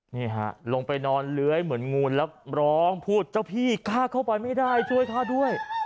นี่ฮะลงไปนอนเลื้อยเหมือนงูแล้วร้องพูดเจ้าพี่ข้าเข้าไปไม่ได้ช่วยฆ่าด้วย